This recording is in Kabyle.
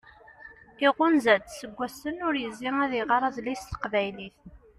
Iɣunza-tt. Seg wassen ur yezzi ad iɣer adlis s teqbaylit.